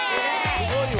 すごいわ。